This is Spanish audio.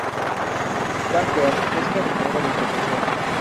Bakker es jardinero de profesión.